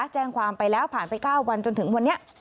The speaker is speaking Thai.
แจ้งความไปแล้วผ่านไป๙วันจนถึงวันนี้